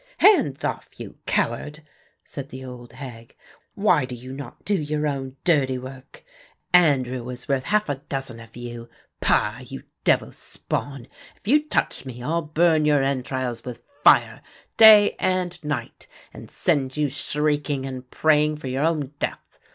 "Hands off, you coward," said the old hag. "Why do you not do your own dirty work? Andrew was worth half a dozen of you. Pah, you devil's spawn! If you touch me I'll burn your entrails with fire, day and night, and send you shrieking and praying for your own death.